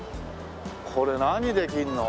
これ何できるの？